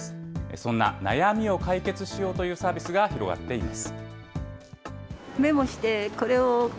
そんな悩みを解決しようというサービスが広がっています。